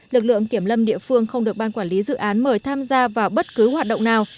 lực lượng kiểm lâm địa phương không được ban quản lý dự án mời tham gia vào bất cứ hoạt động nào